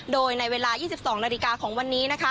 โดยในเวลา๒๒นาฬิกาของวันนี้นะคะ